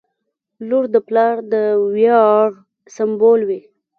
• لور د پلار د ویاړ سمبول وي.